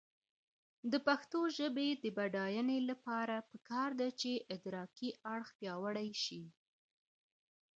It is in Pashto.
د پښتو ژبې د بډاینې لپاره پکار ده چې ادراکي اړخ پیاوړی شي.